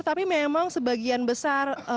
tapi memang sebagian besar